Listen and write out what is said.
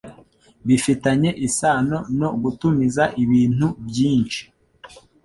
bifitanye isano no gutumiza ibintu byinshi